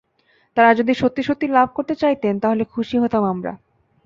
তাঁরা যদি সত্যি সত্যি লাভ করতে চাইতেন, তাহলে খুশি হতাম আমরা।